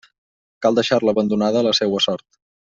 Cal deixar-la abandonada a la seua sort.